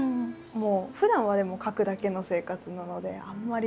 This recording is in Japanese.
ふだんはでも書くだけの生活なのであんまり。